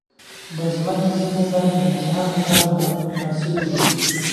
د مځکې ځینې برخې د انسانانو لپاره نامناسبې دي.